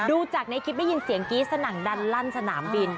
ดูจากในคลิปได้ยินเสียงกรี๊ดสนั่นดันลั่นสนามบิน